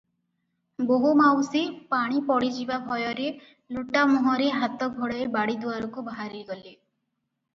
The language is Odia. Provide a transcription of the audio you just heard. ବୋହୂମାଉସୀ ପାଣି ପଡ଼ିଯିବା ଭୟରେ ଲୋଟା ମୁହଁରେ ହାତ ଘୋଡ଼ାଇ ବାଡ଼ି ଦୁଆରକୁ ବାହାରିଗଲେ ।